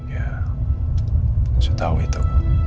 ya saya tahu itu